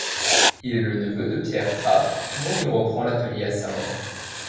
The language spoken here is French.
Il est le neveu de Pierre Affre, dont il reprend l'atelier à sa mort.